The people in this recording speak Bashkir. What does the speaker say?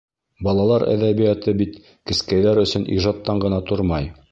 Балалар әҙәбиәте бит кескәйҙәр өсөн ижадтан ғына тормай.